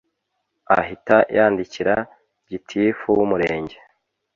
ahita yandikira gitifu w’umurenge